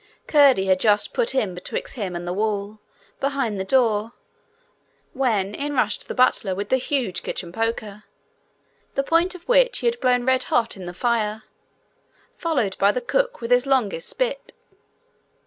Curdie had just put him betwixt him and the wall, behind the door, when in rushed the butler with the huge kitchen poker, the point of which he had blown red hot in the fire, followed by the cook with his longest spit.